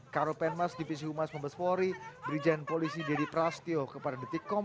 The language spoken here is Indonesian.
karo penmas divisi humas pembespori berijan polisi dedy prastio kepada detikkom